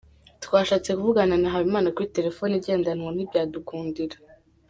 Twashatse kuvugana na Habimana kuri telephone igendanwa ntibyadukundira.